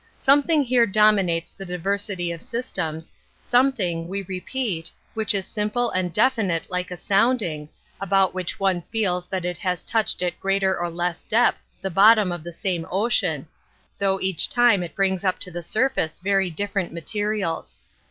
Something here domi nates the diversity of systems, something, we repeat, which is simple and definite like a sounding, about which one feels that it has touched at greater or less depth the bottom of the same ocean, though each time it brings up to the surface very different materials.